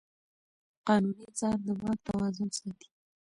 قانوني څار د واک توازن ساتي.